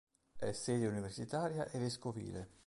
È sede universitaria e vescovile.